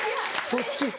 そっち？